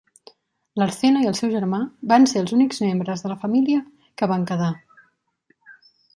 Larcena i el seu germà van ser els únics membres de la família que van quedar.